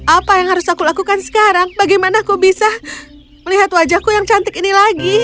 apa yang harus aku lakukan sekarang bagaimana aku bisa melihat wajahku yang cantik ini lagi